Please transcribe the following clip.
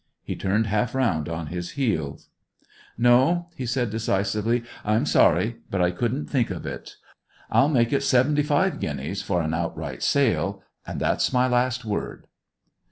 He turned half round on his heels. "No," he said decisively; "I'm sorry, but I couldn't think of it. I'll make it seventy five guineas for an outright sale, and that's my last word."